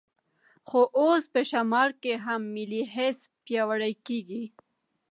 خو اوس په شمال کې هم ملي حس پیاوړی کېږي.